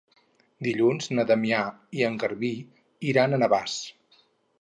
Dilluns na Damià i en Garbí iran a Navàs.